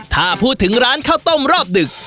ถ้าพูดถึงร้านข้าวต้มรอบดึก